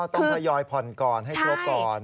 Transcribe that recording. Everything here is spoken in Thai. อ๋อต้องทยอยผ่อนก่อนให้ครบก่อน